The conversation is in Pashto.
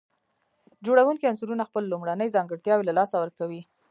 جوړونکي عنصرونه خپل لومړني ځانګړتياوي له لاسه ورکوي.